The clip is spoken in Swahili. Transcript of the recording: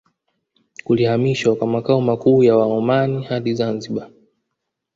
Kulihamishwa kwa makao makuu ya Waomani hadi Zanzibar